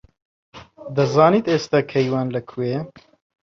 دەزانیت ئێستا کەیوان لەکوێیە؟